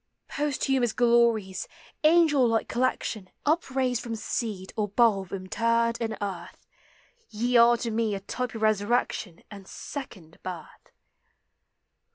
Posthumous glories ! angel like collection ! Upraised from seed or bulb interred in earth, Ye are to me a type of resurrection And second birth.